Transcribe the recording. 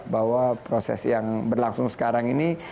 bahwa proses yang berlangsung sekarang ini